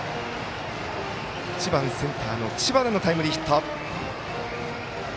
１番、センターの知花のタイムリーヒット。